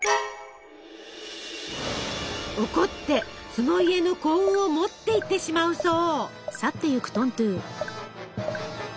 怒ってその家の幸運を持っていってしまうそう。